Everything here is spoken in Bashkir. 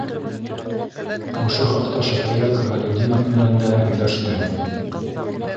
Ошо хаҡта Шакира Камалетдинов менән дә һөйләште.